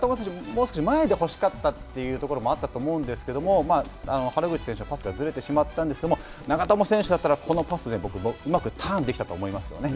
もう少し前でほしかったというのもあると思うんですけど原口選手のパスがずれてしまったんですけれども長友選手だったらこのパスうまくターンできたと思いますよね。